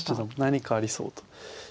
何かありそうと。